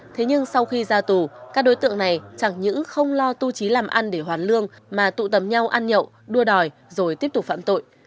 thế nhưng sau khi ra tù các đối tượng này chẳng những không lo tu trí làm ăn để hoàn lương mà tụ tập nhau ăn nhậu đua đòi rồi tiếp tục phạm tội